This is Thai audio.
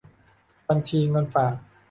ส่วนแรกเป็นผ้าขาวสำหรับนุ่ง